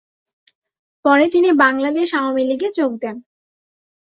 পরে তিনি বাংলাদেশ আওয়ামী লীগে যোগ দেন।